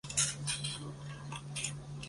他怎么空手回来了？